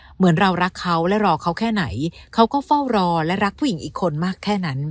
เหมือนเรารักเขาและรอเขาแค่ไหนเขาก็เฝ้ารอและรักผู้หญิงอีกคนมากแค่นั้น